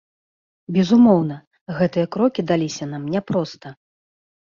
Безумоўна, гэтыя крокі даліся нам няпроста.